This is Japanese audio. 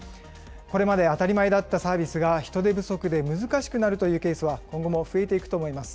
これまで当たり前だったサービスが人手不足で難しくなるというケースは、今後も増えていくと思います。